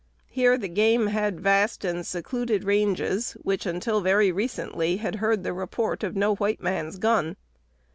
Here the game had vast and secluded ranges, which, until very recently, had heard the report of no white man's gun.